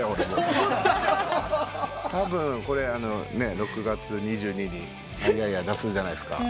たぶんこれ６月２２に『愛彌々』出すじゃないですか。